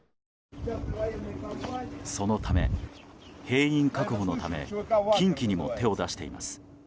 そのため、兵員確保のため禁忌にも手を出しています。